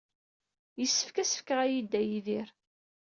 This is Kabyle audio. Yessefk ad as-fkeɣ aya i Dda Yidir.